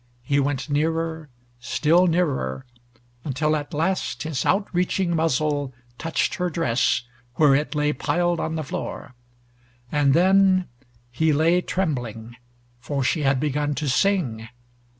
He went nearer, still nearer, until at last his outreaching muzzle touched her dress where it lay piled on the floor. And then he lay trembling, for she had begun to sing.